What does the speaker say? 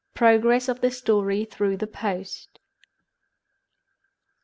PROGRESS OF THE STORY THROUGH THE POST.